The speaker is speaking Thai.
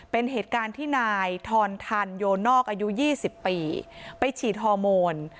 เป็นเหตุการณ์ที่นายทอนทันโยนอกอายุ๒๐ปีไปฉีดฮอร์โมน